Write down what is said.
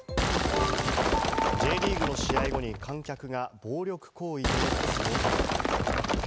Ｊリーグの試合後に観客が暴力行為で騒然。